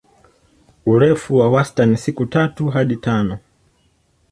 Urefu wa wastani siku tatu hadi tano.